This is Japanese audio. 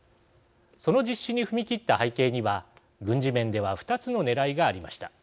その実施に踏み切った背景には軍事面では２つのねらいがありました。